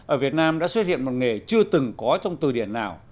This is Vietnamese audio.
ở việt nam đã xuất hiện một nghề chưa từng có trong từ điển nào